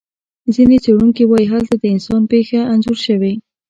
ځینې څېړونکي وایي هلته د انسان پېښه انځور شوې.